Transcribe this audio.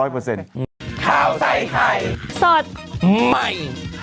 โปรดติดตามตอนต่อไป